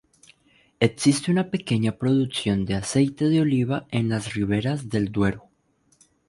Existe una pequeña producción de aceite de oliva en las Riberas del Duero.